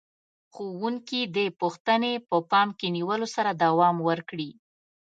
ښوونکي دې پوښتنې په پام کې نیولو سره دوام ورکړي.